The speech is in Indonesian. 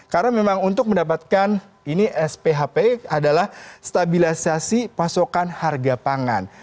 karena memang untuk mendapatkan sphp adalah stabilisasi pasokan harga pangan